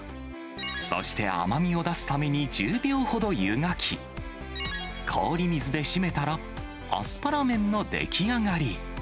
そして甘みを出すために１０秒ほど湯がき、氷水で締めたら、アスパラ麺の出来上がり。